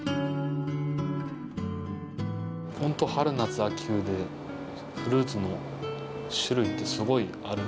本当春夏秋冬でフルーツの種類ってすごいある。